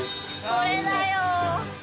これだよ！